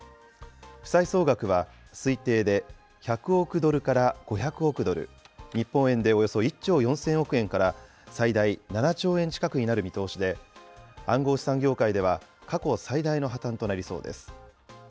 負債総額は、推定で１００億ドルから５００億ドル、日本円でおよそ１兆４０００億円から最大７兆円近くになる見通しで、暗号資産業界では、過去最大の破綻となりそうです。